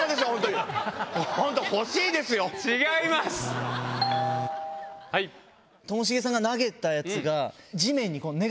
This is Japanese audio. ピンポンともしげさんが投げたやつが。